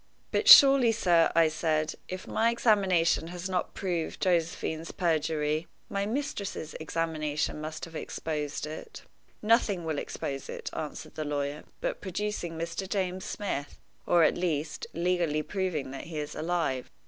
"But surely, sir," I said, "if my examination has not proved Josephine's perjury, my mistress's examination must have exposed it?" "Nothing will expose it," answered the lawyer, "but producing Mr. James Smith, or, at least, legally proving that he is alive.